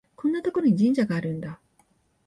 こんなところに神社があるんだ